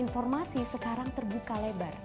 informasi sekarang terbuka lebar